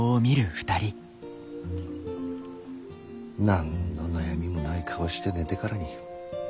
何の悩みもない顔して寝てからに。